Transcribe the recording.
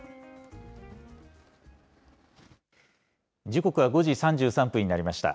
時刻は５時３３分になりました。